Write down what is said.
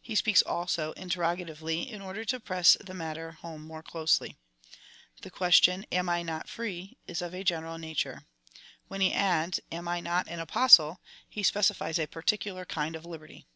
He speaks, also, interrogatively, in order to press the matter home more closely. The question — Atu I not free .? is of a general nature. When he adds — Ann I not an Apostle ? he specifies a particular kind of liberty.